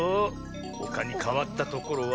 ほかにかわったところは。